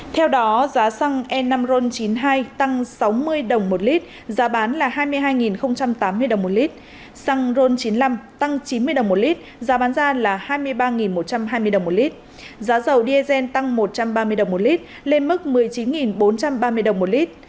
theo đó giá xăng e năm ron chín mươi hai tăng sáu mươi đồng một lít giá bán là hai mươi hai tám mươi đồng một lít xăng ron chín mươi năm tăng chín mươi đồng một lít giá bán ra là hai mươi ba một trăm hai mươi đồng một lít giá dầu diesel tăng một trăm ba mươi đồng một lít lên mức một mươi chín bốn trăm ba mươi đồng một lít